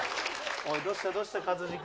おい、どうした、どうした、勝地君。